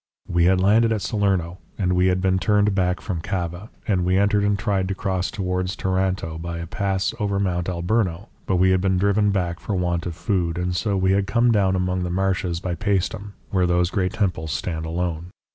We had landed at Salerno, and we had been turned back from Cava, and we had tried to cross towards Taranto by a pass over Mount Alburno, but we had been driven back for want of food, and so we had come down among the marshes by Paestum, where those great temples stand alone.